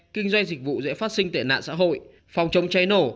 kinh doanh dịch vụ dễ phát sinh tệ nạn xã hội phòng chống cháy nổ